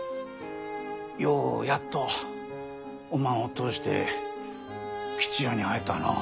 ようやっとおまんを通して吉也に会えたのう。